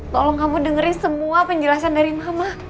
tolong kamu dengerin semua penjelasan dari mama